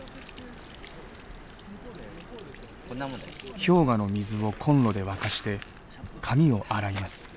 氷河の水をコンロで沸かして髪を洗います。